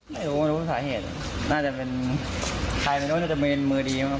ไม่รู้รู้สาเหตุน่าจะเป็นใครไม่รู้น่าจะเป็นมือดีมั